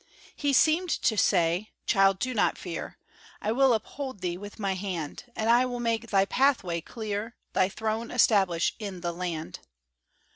He seemed to say, "_Child, do not fear; I will uphold thee with my hand, And I will make thy pathway clear, Thy throne establish in the land.